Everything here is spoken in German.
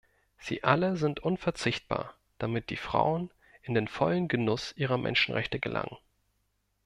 Sie alle sind unverzichtbar, damit die Frauen in den vollen Genuss ihrer Menschenrechte gelangen.